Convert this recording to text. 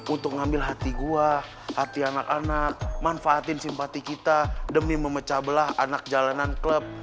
untuk ngambil hati gue hati anak anak manfaatin simpati kita demi memecah belah anak jalanan klub